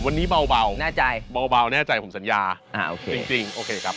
วันนี้เบาแน่ใจเบาแน่ใจผมสัญญาอ่าโอเคจริงโอเคครับ